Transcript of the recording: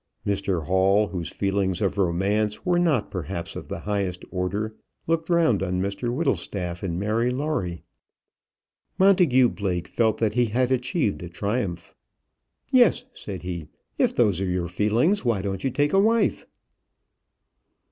Mr Hall, whose feelings of romance were not perhaps of the highest order, looked round on Mr Whittlestaff and Mary Lawrie. Montagu Blake felt that he had achieved a triumph. "Yes," said he, "if those are your feelings, why don't you take a wife?"